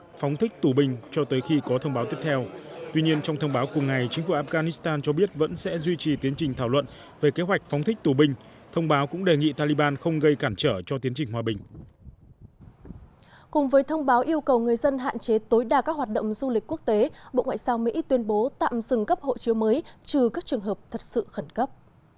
trong các hoạt động du lịch quốc tế bộ ngoại giao mỹ tuyên bố tạm dừng cấp hộ chiếu mới trừ các trường hợp thật sự khẩn cấp